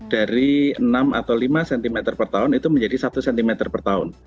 dari enam atau lima cm per tahun itu menjadi satu cm per tahun